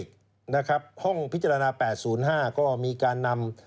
ส่วนรัชดาพิเศษห้องพิจารณา๘๐๕ก็มีการนำ